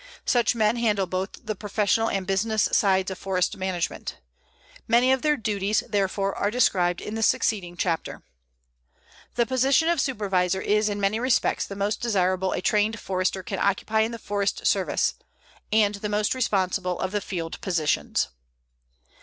Such men handle both the professional and business sides of forest management. Many of their duties, therefore, are described in the succeeding chapter. The position of Supervisor is in many respects the most desirable a trained Forester can occupy in the Forest Service, and the most responsible of the field positions.